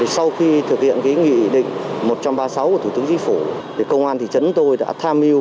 sau khi thực hiện nghị định một trăm ba mươi sáu của thủ tướng chính phủ công an thị trấn tôi đã tham mưu